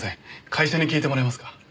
会社に聞いてもらえますか？